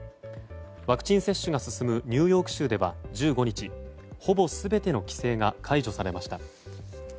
ワクチン接種が進むニューヨーク州では１５日ほぼ全ての規制が解除されました。